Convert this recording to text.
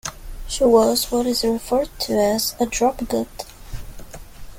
She was what is referred to as a "Drop-Gut".